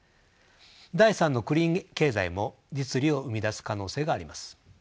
第３のクリーン経済も実利を生み出す可能性があります。